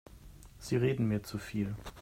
Sie reden mir zu viel.